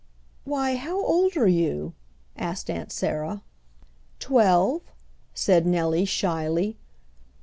"Why, how old are you?" asked Aunt Sarah. "Twelve," said Nellie shyly.